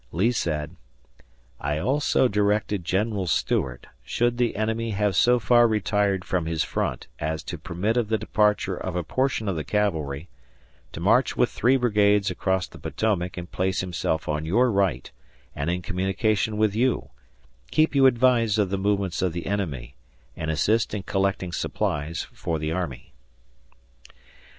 Lee said: I also directed General Stuart, should the enemy have so far retired from his front as to permit of the departure of a portion of the cavalry, to march with three brigades across the Potomac and place himself on your right and in communication with you, keep you advised of the movements of the enemy, and assist in collecting supplies for the army.